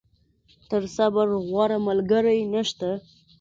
تر صبر، غوره ملګری نشته.